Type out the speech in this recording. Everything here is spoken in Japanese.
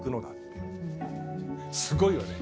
すごいよね。